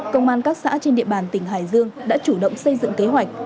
công an các xã trên địa bàn tỉnh hải dương đã chủ động xây dựng kế hoạch